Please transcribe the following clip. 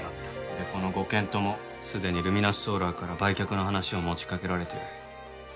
でこの５軒ともすでにルミナスソーラーから売却の話を持ちかけられてる。